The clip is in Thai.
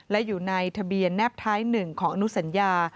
และอยู่ในทะเบียนแนบท้าย๑ของอนุสัญญา